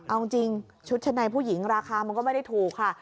เอาจริงชุดชั้นในผู้หญิงราคามันก็ไม่ได้ถูกค่ะ